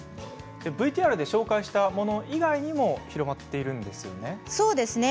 ＶＴＲで紹介したもの以外にも広がっているんですよね。